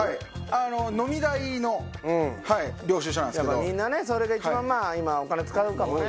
やっぱみんなねそれで一番まぁ今お金使うかもね。